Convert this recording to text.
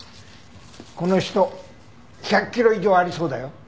この人１００キロ以上ありそうだよ。